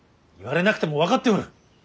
言われなくても分かっておる。